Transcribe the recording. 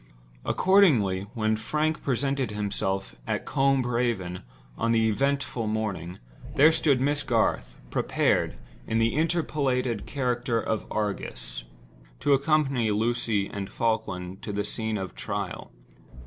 Accordingly, when Frank presented himself at Combe Raven on the eventful morning, there stood Miss Garth, prepared—in the interpolated character of Argus—to accompany Lucy and Falkland to the scene of trial.